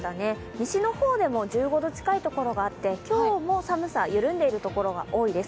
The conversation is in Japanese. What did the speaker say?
西の方でも１５度近いところがあって今日も寒さ、緩んでいるところが多いです。